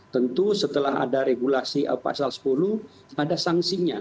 tentu setelah ada regulasi pasal sepuluh ada sanksinya